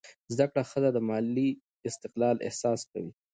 زده کړه ښځه د مالي استقلال احساس کوي.